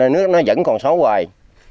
nó vẫn còn xấu hoài